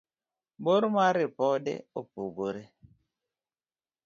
bor mar ripode opogore